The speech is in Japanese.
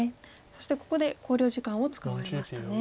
そしてここで考慮時間を使われましたね。